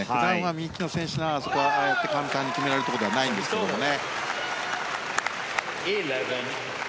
右利きの選手ならそこはああやって簡単に決められるところではないんですがね。